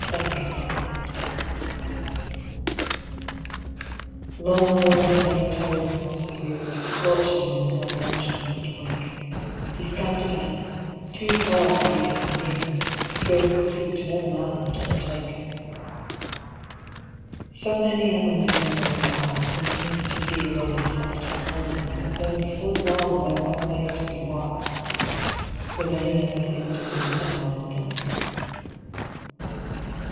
Siege Perilous Long warned of many terrors more severe To scorch him than hell's engines could awaken, He scanned again, too far to be so near, The fearful seat no man had ever taken. So many other men with older eyes Than his to see with older sight behind them Had known so long their one way to be wise, Was any other thing to do than mind them?